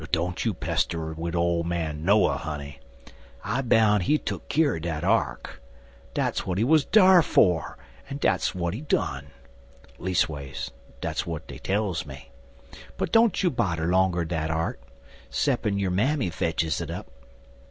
"Don't you pester wid ole man Noah, honey. I boun' he tuck keer er dat ark. Dat's w'at he wuz dar fer, en dat's w'at he done. Leas'ways, dat's w'at dey tells me. But don't you bodder longer dat ark, 'ceppin' your mammy fetches it up.